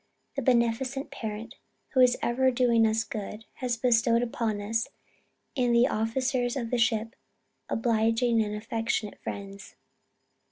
That beneficent Parent, who is ever doing us good, has bestowed upon us, in the officers of the ship, obliging and affectionate friends....